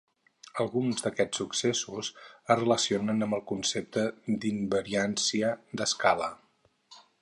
Alguns d'aquests successos es relacionen amb el concepte d'invariància d'escala.